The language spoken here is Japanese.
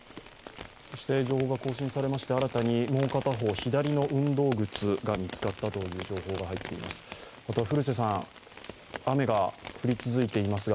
情報が更新されまして、新たにもう片方、左足の運動靴が見つかったという情報が入っています。